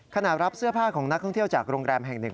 รับเสื้อผ้าของนักท่องเที่ยวจากโรงแรมแห่งหนึ่ง